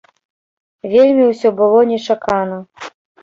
Вельмі ўсё было нечакана.